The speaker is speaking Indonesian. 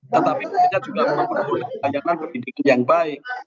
tetapi mereka juga memperoleh kebayangan pendidikan yang baik